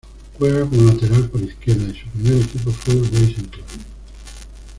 Juega como lateral por izquierda y su primer equipo fue Racing Club.